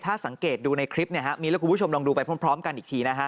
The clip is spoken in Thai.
ถ้าสังเกตดูในคลิปเนี่ยฮะมีแล้วคุณผู้ชมลองดูไปพร้อมกันอีกทีนะฮะ